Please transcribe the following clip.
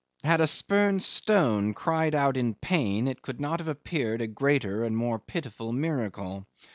Had a spurned stone cried out in pain it could not have appeared a greater and more pitiful miracle.